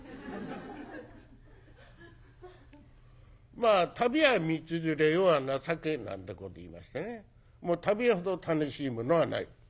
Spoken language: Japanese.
まあ「旅は道連れ世は情け」なんてこといいましてねもう旅ほど楽しいものはない。